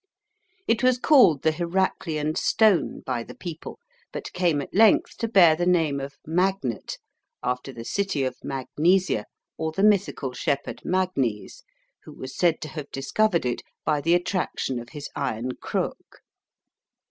It was called the "Heraclean Stone" by the people, but came at length to bear the name of "Magnet" after the city of Magnesia or the mythical shepherd Magnes, who was said to have discovered it by the attraction of his iron crook.